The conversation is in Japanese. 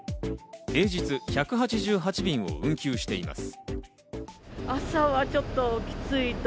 平日１８８便を運休しています。